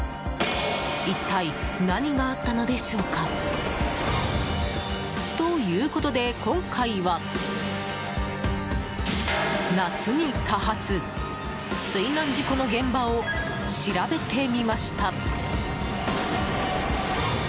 一体何があったのでしょうか？ということで今回は、夏に多発水難事故の現場を調べてみました。